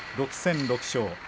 ６戦６勝。